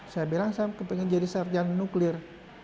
saya bilang saya pengen jadi sarjan nuklir